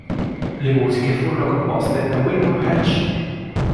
Le musiche furono composte da Wilbur Hatch.